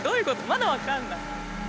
まだ分かんない。